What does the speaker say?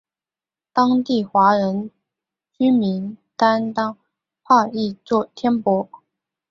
当地华人居民将坦帕译作天柏。